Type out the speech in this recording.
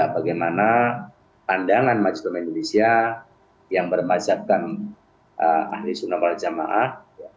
bagaimana pandangan majus nama indonesia yang bermajatkan ahli sunnah wal jamaah